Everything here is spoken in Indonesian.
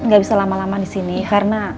gak bisa lama lama di sini karena